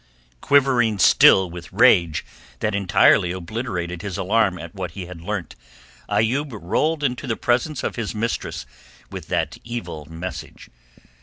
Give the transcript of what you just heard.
Quivering still with a rage that entirely obliterated his alarm at what he had learnt, Ayoub rolled into the presence of his mistress with that evil message.